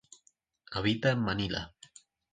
Habita en Manila.